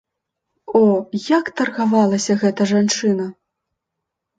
О, як таргавалася гэта жанчына!